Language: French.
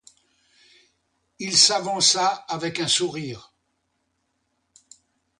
Il s'avança avec un sourire.